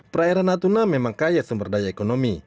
perairan natuna memang kaya sumber daya ekonomi